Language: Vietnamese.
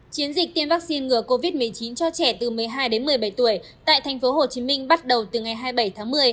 chiến dịch tiêm vaccine ngừa covid một mươi chín cho trẻ từ một mươi hai đến một mươi bảy tuổi tại tp hcm bắt đầu từ ngày hai mươi bảy tháng một mươi